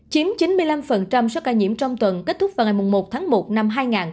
chiếm chín mươi năm số ca nhiễm trong tuần kết thúc vào ngày một tháng một năm hai nghìn hai mươi